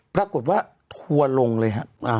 ปรากฏว่าทั่วสิบข้างเลยครับ